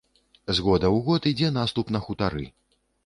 З года ў год ідзе наступ на хутары.